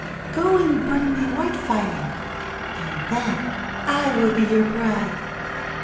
Go and bring me white fire, and then I will be your bride."